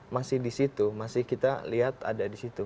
masih di situ masih kita lihat ada di situ